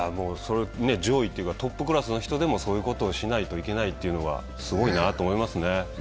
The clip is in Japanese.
トップクラスの人でもそういうことをしないといけないというのは、すごいですね。